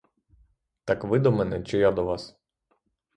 Так ви до мене чи я до вас?